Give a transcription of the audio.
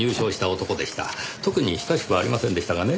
特に親しくはありませんでしたがね。